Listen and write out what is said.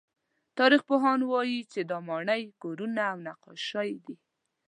تاریخپوهان وایي چې دا ماڼۍ، کورونه او نقاشۍ دي.